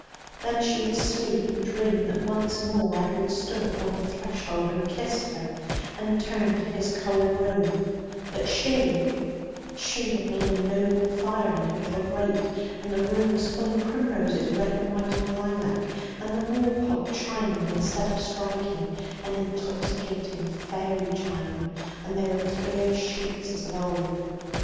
Then she would sleep and dream that once more Edward stood upon the threshold and kissed her and turned to his cold room; but she she had made a noble fire in her little grate; and the room was full of primroses, red and white and lilac; and the wall clock chimed instead of striking an intoxicating fairy chime; and there were clear sheets as of old.